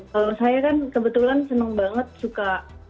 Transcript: kalau saya kan kebetulan senang banget suka